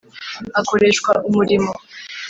akoreshwa umurimo.